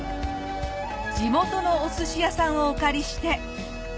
地元のお寿司屋さんをお借りして。